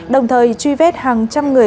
đồng thời truy vết hàng trăm người